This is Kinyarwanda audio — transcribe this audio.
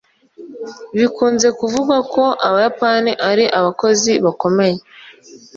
bikunze kuvugwa ko abayapani ari abakozi bakomeye